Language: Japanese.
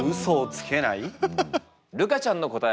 ルカちゃんの答え